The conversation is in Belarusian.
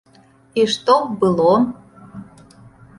І што б было?